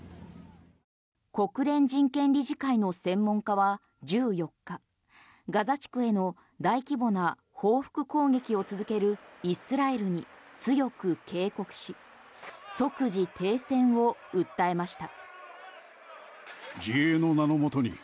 国連人権理事会の専門家は１４日ガザ地区への大規模な報復攻撃ｗ続けるイスラエルに強く警告し即時停戦を訴えました。